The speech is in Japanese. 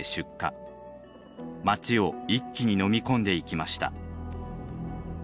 街を一気にのみ込んでいきました。